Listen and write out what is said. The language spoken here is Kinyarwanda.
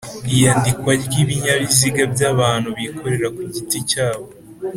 Iyandikwa ry'ibinyabiziga by’abantu bikorera ku giti cyabo